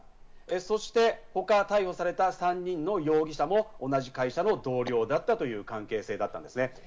そして他、逮捕された３人の容疑者も同じ会社の同僚だったという関係性だったんですね。